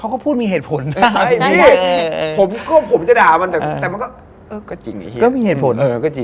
คือผมก็บอกเฮ้ย